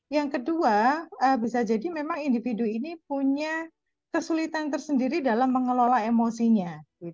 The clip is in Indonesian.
yang kedua bisa jadi memang individu ini punya kesulitan tersendiri dalam mengelola emosinya